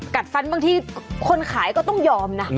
กัดฟันบางทีคนขายก็ต้องยอมนะ